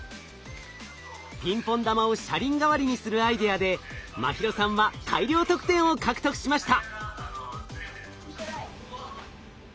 ピンポン玉を車輪代わりにするアイデアで茉尋さんは大量得点を獲得しました。